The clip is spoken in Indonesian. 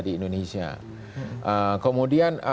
di indonesia kemudian